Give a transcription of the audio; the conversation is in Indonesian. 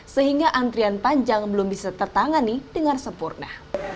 sehingga antrian panjang belum bisa tertangani dengan sempurna